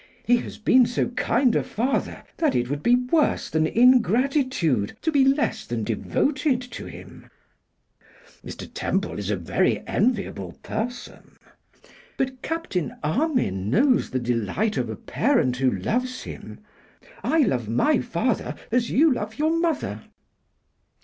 He has been so kind a father, that it would be worse than ingratitude to be less than devoted to him.' 'Mr. Temple is a very enviable person.' 'But Captain Armine knows the delight of a parent who loves him. I love my father as you love your mother.